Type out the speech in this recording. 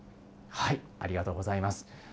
ありがとうございます。